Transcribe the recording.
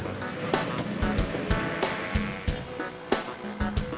udah tau maksudmu kenapa mesinnya mati